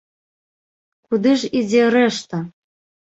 Куды ж ідзе рэшта?